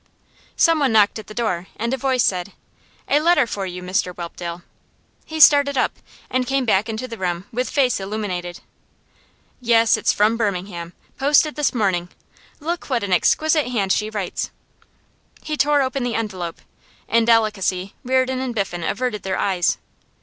Someone knocked at the door, and a voice said: 'A letter for you, Mr Whelpdale.' He started up, and came back into the room with face illuminated. 'Yes, it's from Birmingham; posted this morning. Look what an exquisite hand she writes!' He tore open the envelope. In delicacy Reardon and Biffen averted their eyes.